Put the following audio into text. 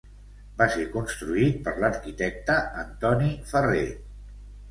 Va ser construït per l’arquitecte Antoni Ferrer.